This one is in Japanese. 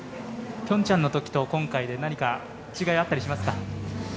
ピョンチャンのときと今回で何か違いがあったりしますか？